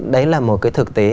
đấy là một cái thực tế